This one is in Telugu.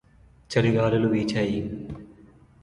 చలిగాలులు వీచాయి